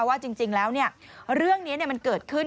ว่าจริงแล้วเรื่องนี้มันเกิดขึ้น